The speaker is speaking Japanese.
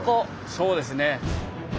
そうですね。